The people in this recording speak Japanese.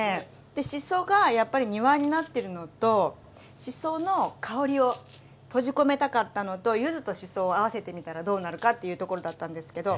でしそがやっぱり庭になってるのとしその香りを閉じ込めたかったのと柚子としそを合わせてみたらどうなるかっていうところだったんですけど。